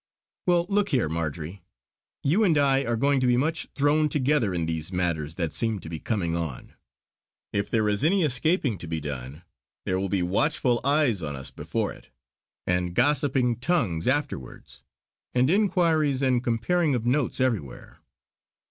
"Well, look here, Marjory. You and I are going to be much thrown together in these matters that seem to be coming on; if there is any escaping to be done, there will be watchful eyes on us before it, and gossiping tongues afterwards; and inquiries and comparing of notes everywhere.